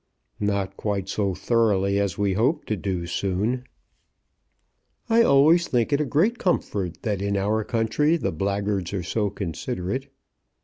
"Not quite so thoroughly as we hope to do soon." "I always think it a great comfort that in our country the blackguards are so considerate.